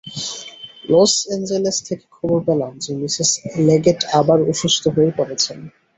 Loss Angeles থেকে খবর পেলাম যে, মিসেস লেগেট আবার অসুস্থ হয়ে পড়েছেন।